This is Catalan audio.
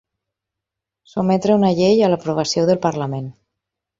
Sotmetre una llei a l'aprovació del parlament.